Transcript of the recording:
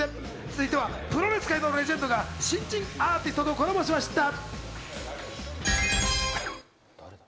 続いてはプロレス界のレジェンドが新人アーティストとコラボしました。